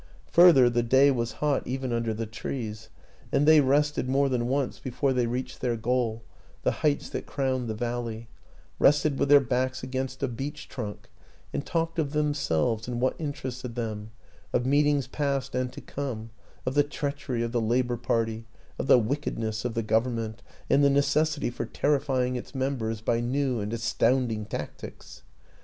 Further, the day was hot even under the trees, and they rested more than once before they WILLIAM AN ENGLISHMAN 57 reached their goal, the heights that crowned the valley; rested with their backs against a beech trunk, and talked of themselves and what inter ested them of meetings past and to come, of the treachery of the Labor Party, of the wicked ness of the Government and the necessity for ter rifying its members by new and astounding tactics.